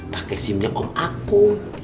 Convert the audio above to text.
pake simnya om aku